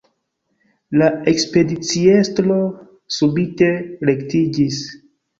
La ekspediciestro subite rektiĝis.